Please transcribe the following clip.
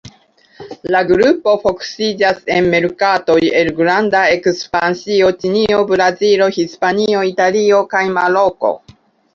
La grupo fokusiĝas en merkatoj el granda ekspansio: Ĉinio, Brazilo, Hispanio, Italio kaj Maroko.